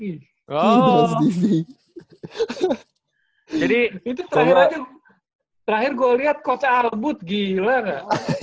jadi itu terakhir aja terakhir gue liat coach albud gila gak